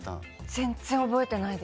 全然覚えてないです。